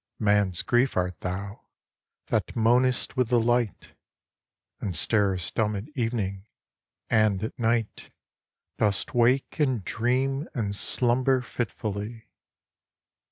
Man's Grief art thou, that moanest with the light, And starest dumb at evening — and at night Dost wake and dream and slumber fitfully